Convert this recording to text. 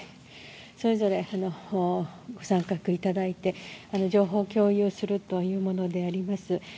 それぞれ参画いただいて情報を共有するというものであります。